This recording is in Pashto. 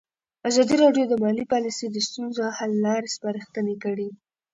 ازادي راډیو د مالي پالیسي د ستونزو حل لارې سپارښتنې کړي.